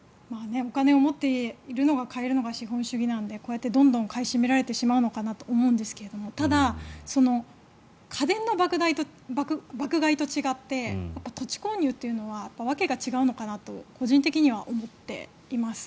お金を持っている人が買えるのが資本主義なのでこうやってどんどん買い占められてしまうのかなと思うんですがただ、家電の爆買いと違って土地購入というのは訳が違うのかなと個人的には思っています。